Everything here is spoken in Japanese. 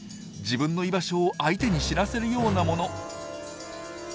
自分の居場所を相手に知らせるようなもの。